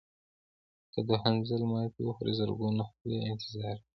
که دوهم ځل ماتې وخورئ زرګونه خولې انتظار کوي.